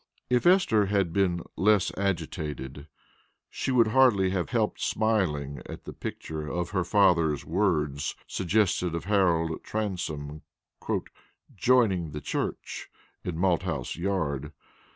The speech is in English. If Esther had been less agitated, she would hardly have helped smiling at the picture her father's words suggested of Harold Transome "joining the church" in Malthouse Yard.